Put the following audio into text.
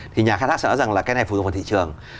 thì nhà khai thác sẽ nói rằng là cái này phụ thuộc vào thị trường